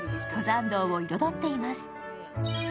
登山道を彩っています。